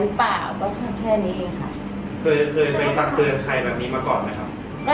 หรือเปล่าก็แค่แค่นี้เองค่ะเคยเคยไปตักเตือนใครแบบนี้มาก่อนไหมครับ